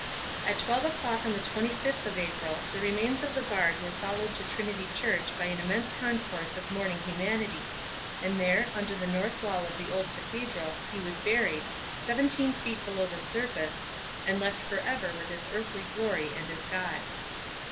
At twelve o'clock on the 25th of April the remains of the Bard were followed to Trinity Church by an immense concourse of mourning humanity; and there, under the north wall of the old cathedral he was buried, seventeen feet below the surface, and left forever with his earthly glory and his God.